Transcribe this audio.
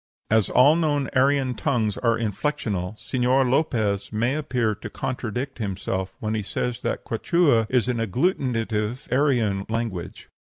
As all known Aryan tongues are inflexional, Señor Lopez may appear to contradict himself when he says that Quichua is an agglutinative Aryan language.